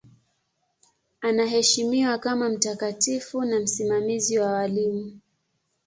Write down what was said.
Anaheshimiwa kama mtakatifu na msimamizi wa walimu.